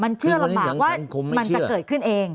เชื่อลำบากว่ามันจะเกิดขึ้นเอง